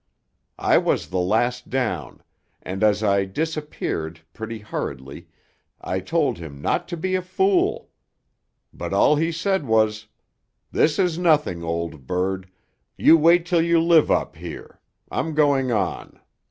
I was the last down, and as I disappeared (pretty hurriedly) I told him not to be a fool. But all he said was, "This is nothing, old bird you wait till you live up here; I'm going on."